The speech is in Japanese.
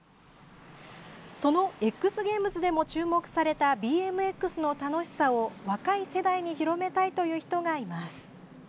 そのＸＧａｍｅｓでも注目されたＢＭＸの楽しさを若い世代に広めたいという人がいます。